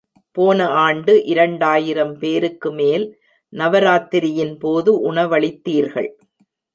போன ஆண்டு இரண்டாயிரம் பேருக்குமேல் நவராத்திரியின்போது உணவளித்தீர்கள்.